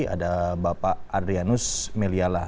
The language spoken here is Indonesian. ada bapak adrianus melialah